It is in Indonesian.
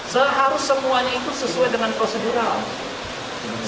seharusnya semuanya itu sesuai dengan prosedural